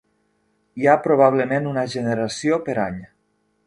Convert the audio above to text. Hi ha probablement una generació per any.